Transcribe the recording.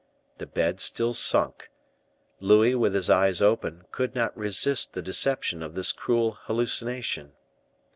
The bed still sunk. Louis, with his eyes open, could not resist the deception of this cruel hallucination.